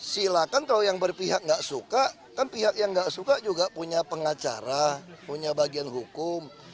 silakan kalau yang berpihak nggak suka kan pihak yang nggak suka juga punya pengacara punya bagian hukum